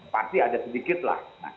pasti ada sedikit lah